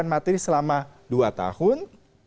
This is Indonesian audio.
materi selama dua tahun